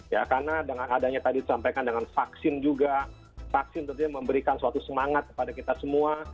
ya karena dengan adanya tadi disampaikan dengan vaksin juga vaksin tentunya memberikan suatu semangat kepada kita semua